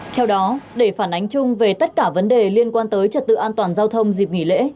theo đó để phản ánh chung về tất cả vấn đề liên quan tới trật tự an toàn giao thông dịp nghỉ lễ